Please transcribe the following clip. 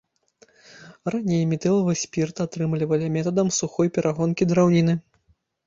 Раней метылавы спірт атрымлівалі метадам сухой перагонкі драўніны.